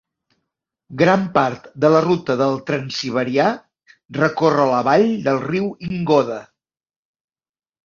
Gran part de la ruta del transsiberià recorre la vall del riu Ingoda.